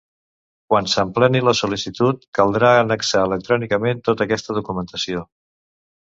Quan s'empleni la sol·licitud caldrà annexar electrònicament tota aquesta documentació.